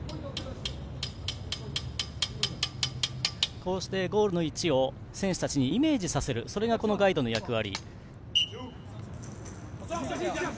こうしてゴールの位置を選手たちにイメージさせるそれがガイドの役割。